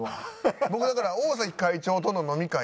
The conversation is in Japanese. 僕だから大会長との飲み会